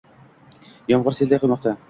Yomg'ir selday quymoqda